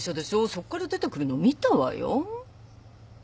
そっから出てくるの見たわよ。